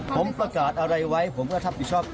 ผมประกาศอะไรไว้ผมก็รับผิดชอบ